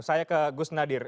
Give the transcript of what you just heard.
saya ke gus nadir